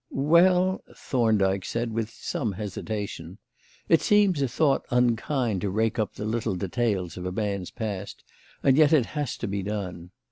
"Well," Thorndyke said, with some hesitation, "it seems a thought unkind to rake up the little details of a man's past, and yet it has to be done.